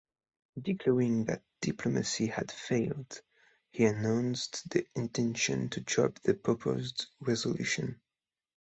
Declaring that "diplomacy had failed," he announced the intention to drop the proposed resolution.